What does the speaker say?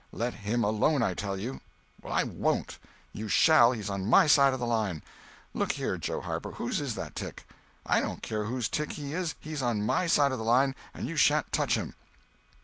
"Let him alone, I tell you." "I won't!" "You shall—he's on my side of the line." "Look here, Joe Harper, whose is that tick?" "I don't care whose tick he is—he's on my side of the line, and you sha'n't touch him."